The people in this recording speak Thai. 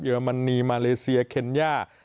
อรมนีมาเลเซียเคนย่า